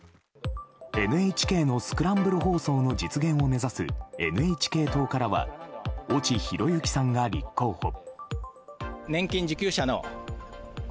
ＮＨＫのスクランブル放送の実現を目指す、ＮＨＫ党からは越智寛之さんが立候補。